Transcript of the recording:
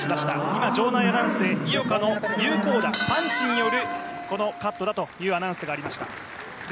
今、場内アナウンスで井岡の有効打パンチによる、このカットだというアナウンスがありました。